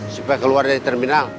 supaya keluar dari terminal